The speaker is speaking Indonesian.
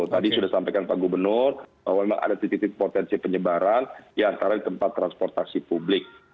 tadi sudah sampaikan pak gubernur bahwa memang ada titik titik potensi penyebaran diantara tempat transportasi publik